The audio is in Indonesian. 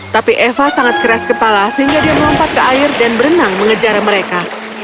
tapi eva sangat keras kepala sehingga dia melompat ke air dan berenang mengejar mereka